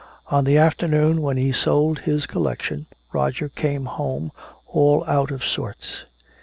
On the afternoon when he sold his collection Roger came home all out of sorts.